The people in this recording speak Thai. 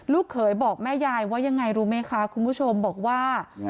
เขยบอกแม่ยายว่ายังไงรู้ไหมคะคุณผู้ชมบอกว่า